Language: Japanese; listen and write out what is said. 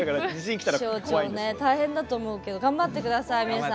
気象庁大変だと思うけど頑張ってください、みゆさん。